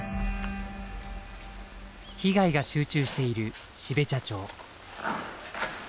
被害が集中している標茶町。